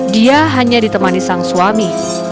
dia hanya ditemani sang suami